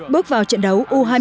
bước vào trận đấu u hai mươi hai